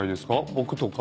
僕とか？